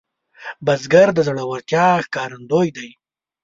بزګر د زړورتیا ښکارندوی دی